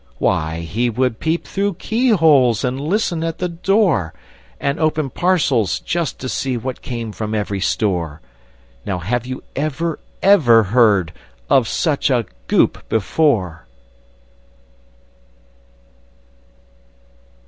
Why, he would peep through keyholes, And listen at the door! And open parcels, just to see What came from every store! Now, have you ever ever heard Of such a Goop before?